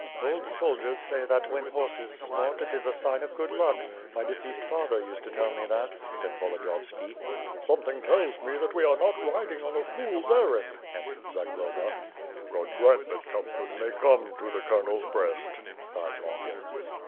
"Old soldiers say that, when horses snort, it is a sign of good luck. My deceased father used to tell me that," said Volodiyovski. "Something tells me that we are not riding on a fool's errand," answered Zagloba. "God grant that comfort may come to the coloners breast," sighed Longin.